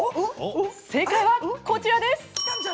正解はこちらです！